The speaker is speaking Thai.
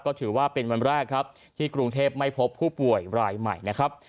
ก็ถือว่าเป็นวันแรกครับที่กรุงเทพไม่พบผู้ป่วยรายใหม่นะครับ